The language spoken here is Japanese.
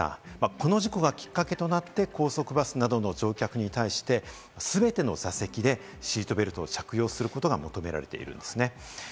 この事故がきっかけとなって、高速バスなどの乗客に対して、全ての座席でシートベルトを着用することが求められているんですね。